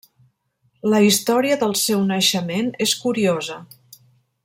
La història del seu naixement és curiosa.